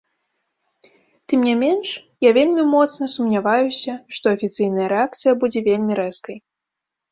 Тым не менш, я вельмі моцна сумняваюся, што афіцыйная рэакцыя будзе вельмі рэзкай.